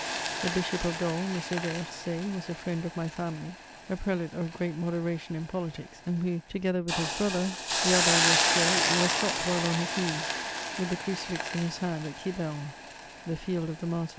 The Bishop of Do), ]I4[. de Qerc^, yi^A a friend of my family, a prelate of great mode ration in poUtics, and who, together with his brother, the Abb^ d'Perc^, was s]iot while on his knees, with the crucifi^ in his )^and, at Qu^be^qn, the field of the martyrs.